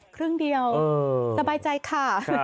ครึ่งเดียวสบายใจค่ะ